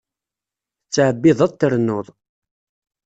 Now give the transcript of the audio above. Tettɛebbiḍ trennuḍ.